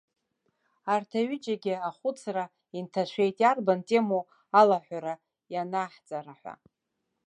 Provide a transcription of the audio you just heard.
Арҭ аҩыџьагьы ахәыцра инҭашәеит, иарбан темоу алаҳәара ианаҳҵара ҳәа.